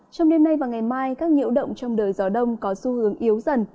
trong đêm nay và ngày mai các nhiễu động trong đời gió đông có xu hướng yếu dần